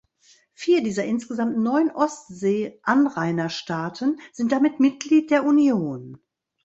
Vier dieser insgesamt neun Ostseeanrainerstaaten sind damit Mitglied der Union.